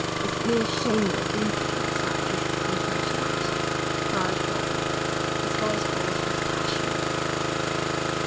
'It's mere shameless impudence that you should come here to night,' cried Bobbie, his voice hoarse with passion.